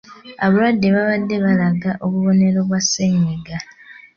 Abalwadde babadde balaga obubonero bwa ssenyiga.